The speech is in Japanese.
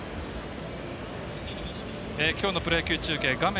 きょうのプロ野球中継画面